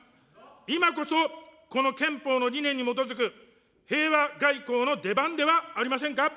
今こそ、この憲法の理念に基づく、平和外交の出番ではありませんか。